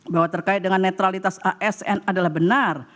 bahwa terkait dengan netralitas asn adalah benar